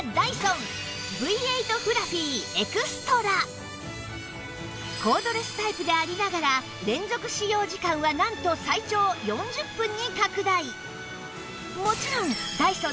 そこでコードレスタイプでありながら連続使用時間はなんと最長４０分に拡大